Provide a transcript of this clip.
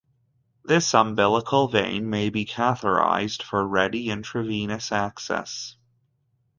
This umbilical vein may be catheterised for ready intravenous access.